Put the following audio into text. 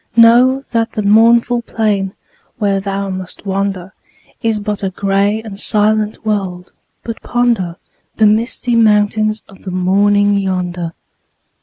Know that the mournful plain where thou must wander Is but a gray and silent world, but ponder The misty mountains of the morning yonder.